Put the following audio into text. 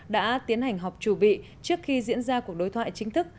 đã tiến hành họp chủ bị trước khi diễn ra cuộc đối thoại chính thức